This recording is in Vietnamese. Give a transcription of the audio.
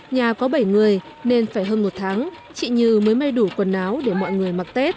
nhà có bảy người nên phải hơn một tháng chị như mới mây đủ quần áo để mọi người